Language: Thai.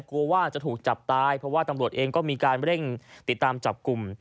กลัวว่าจะถูกจับตายเพราะว่าตำรวจเองก็มีการเร่งติดตามจับกลุ่ม